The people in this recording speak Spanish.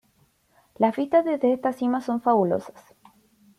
Las vistas desde esta cima son fabulosas.